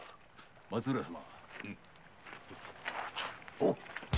松浦様！